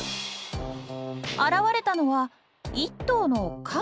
現れたのは１頭のカバ！